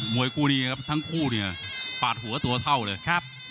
วยคู่นี้ครับทั้งคู่เนี่ยปาดหัวตัวเท่าเลยครับ